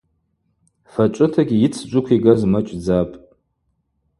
Фачӏвытагьи йыцджвыквигаз мачӏдзапӏ.